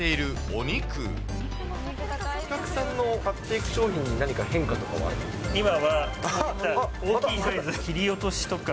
お客さんの買っていく商品に何か変化とかはありますか？